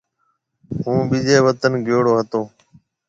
هُون ٻيجي وطن گيوڙو هتو۔